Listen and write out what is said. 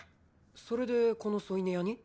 それでこの添い寝屋に？